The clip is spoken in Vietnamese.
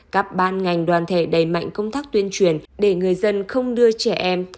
các ban ngành đoàn thể đẩy mạnh công tác tuyên truyền để người dân không đưa trẻ em